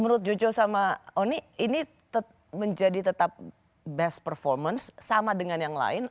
menurut jojo sama oni ini menjadi tetap best performance sama dengan yang lain